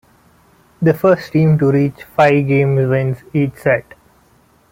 The first team to reach five games wins each set.